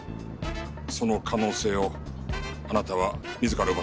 その可能性をあなたは自ら奪ったんだ。